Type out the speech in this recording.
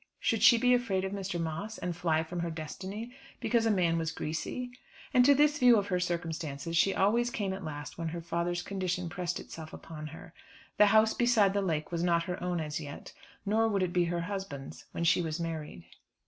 Should she be afraid of Mr. Moss, and fly from her destiny because a man was greasy? And to this view of her circumstances she always came at last when her father's condition pressed itself upon her. The house beside the lake was not her own as yet, nor would it be her husband's when she was married.